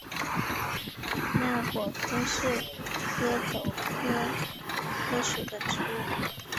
柄果柯是壳斗科柯属的植物。